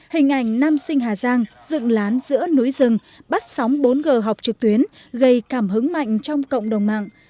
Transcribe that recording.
hình ảnh nam sinh hà giang dựng lán giữa núi rừng bắt sóng bốn g học trực tuyến gây cảm hứng mạnh trong cộng đồng mạng